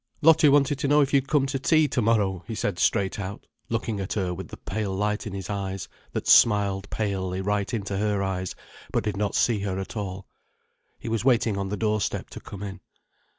"Lottie wanted to know if you'd come to tea tomorrow," he said straight out, looking at her with the pale light in his eyes, that smiled palely right into her eyes, but did not see her at all. He was waiting on the doorstep to come in.